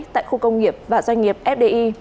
tại khu công nghiệp và doanh nghiệp fdi